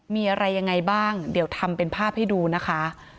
มีอะไรยังไงบ้างเดี๋ยวทำเป็นภาพให้ดูนะคะ